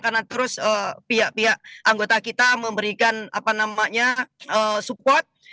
karena terus pihak pihak anggota kita memberikan apa namanya support